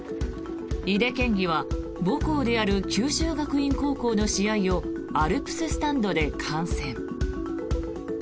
井出県議は母校である九州学院高校の試合をアルプススタンドで観戦。